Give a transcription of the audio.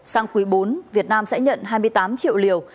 sang quý bốn việt nam sẽ nhận hai mươi tám triệu liều